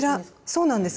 そうなんです。